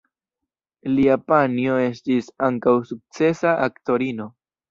Lia panjo estis ankaŭ sukcesa aktorino.